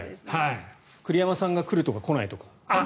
栗山さんが来るとか来ないとか。